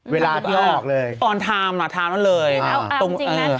เวลาที่ออกเลยออนไทม์นะไทม์นั้นเลยนะฮะเอาจริงนะ